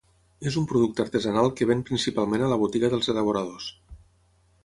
És un producte artesanal que ven principalment a la botiga dels elaboradors.